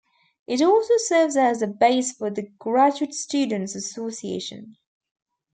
It also serves as the base for the Graduate Students' Association.